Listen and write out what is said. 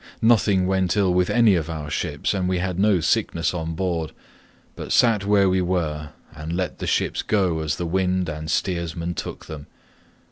Nothing went ill with any of our ships, and we had no sickness on board, but sat where we were and let the ships go as the wind and steersmen took them.